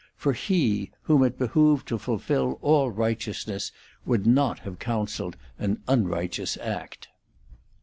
For He, whom it behoved to fulfil all righteousness, would not have counselled an unrighteous act.